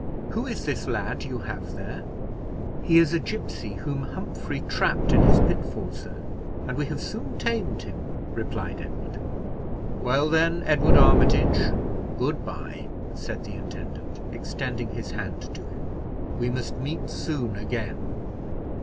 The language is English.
Who is this lad you have here?" "He is a gipsy whom Humphrey trapped in his pitfall, sir, and we have soon tamed him," replied Edward. "Well, then, Edward Armitage, good by," said the intendant, extending his hand to him, "we must meet soon again."